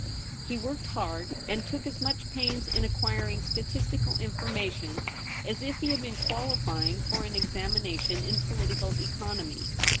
He worked hard, and took as much pains in acquiring statistical information as if he had been qualifying for an examination in political economy.